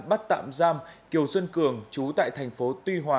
bắt tạm giam kiều xuân cường chú tại tp tuy hòa